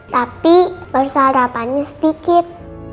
tapi bersarapannya sedikit